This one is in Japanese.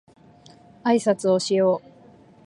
あいさつをしよう